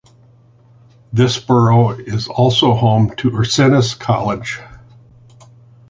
This borough is also home to Ursinus College.